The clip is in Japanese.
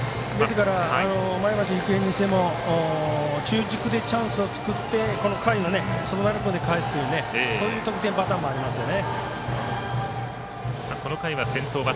ですから、前橋育英にしても中軸でチャンスを作って下位の外丸君で返すというそういう得点パターンもありますよね。